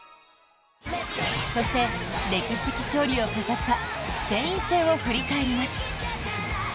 そして、歴史的勝利を飾ったスペイン戦を振り返ります。